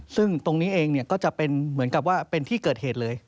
ซึ่งตรงนี้เองก็จะเป็นเหมือนกับว่าเป็นที่เกิดเหตุเลย